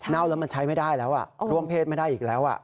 แล้วมันใช้ไม่ได้แล้วร่วมเพศไม่ได้อีกแล้ว